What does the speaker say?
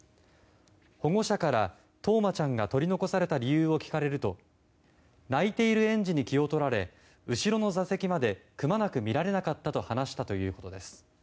保護者から、冬生ちゃんが取り残された理由を聞かれると泣いている園児に気をとられ後ろの座席までくまなく見られなかったと話したということです。